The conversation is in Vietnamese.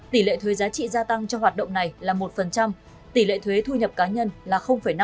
tỷ lệ thuế giá trị gia tăng cho hoạt động này là một tỷ lệ thuế thu nhập cá nhân là năm